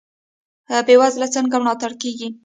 بې وزله څنګه ملاتړ کیږي؟